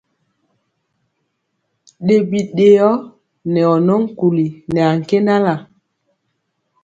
Ɗe biɗeyɔ nɛ ɔ nɔ nkuli nɛ ankendala.